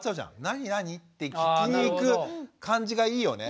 「何何？」って聞きに行く感じがいいよね。